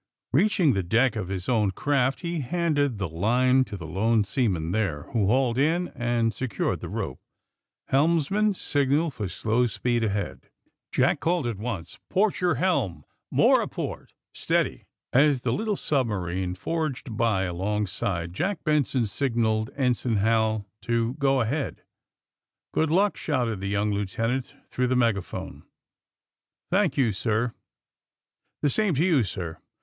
Eeaching the deck of his own craft he handed the line to the lone sea man there, who hauled in and secured the rope. AND THE SMUGGLEES 219 ''Helmsman, signal for slow speed ahead/' Jack called at once. *^Port your helm — ^more a port !' Steady !'' As the little submarine forged by alongside Jack Benson signaled Ensign Hal to go ahead. ^^Good luck!'^ shouted the young lieutenant through the megaphone. ^^ Thank you, sir. The same to you, sir!'